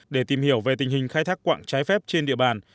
để tìm hiểu về tình hình khai thác quạng trái phép trên địa bàn